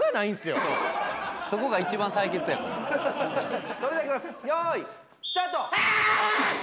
そこが一番対決やん。